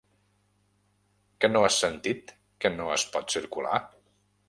Que no has sentit que no es pot circular?